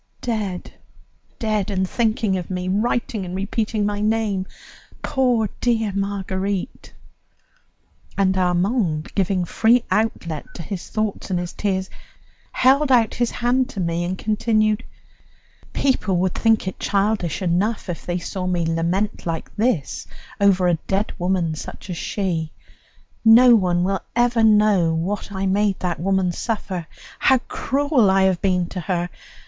Dead! Dead and thinking of me, writing and repeating my name, poor dear Marguerite!" And Armand, giving free outlet to his thoughts and his tears, held out his hand to me, and continued: "People would think it childish enough if they saw me lament like this over a dead woman such as she; no one will ever know what I made that woman suffer, how cruel I have been to her!